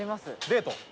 デート？